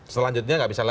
selanjutnya nggak bisa lagi